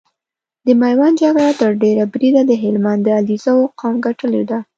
د ميوند جګړه تر ډېره بريده د هلمند د عليزو قوم ګټلې ده۔